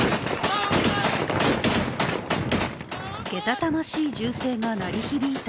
けたたましい銃声が鳴り響いた